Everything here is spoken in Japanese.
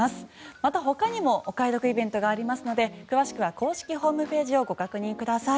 また他にもお買い得イベントがありますので詳しくは公式ホームページをご確認ください。